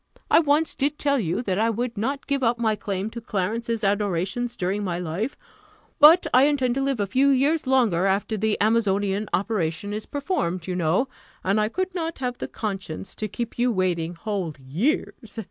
I once did tell you, that I would not give up my claim to Clarence's adorations during my life; but I intend to live a few years longer after the amazonian operation is performed, you know; and I could not have the conscience to keep you waiting whole years.